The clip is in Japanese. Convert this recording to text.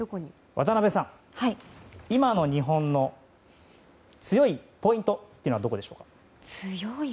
渡辺さん、今の日本の強いポイントってどこでしょう？